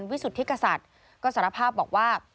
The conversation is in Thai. วิสุทธิกษัตริย์ก็สารภาพบอกว่า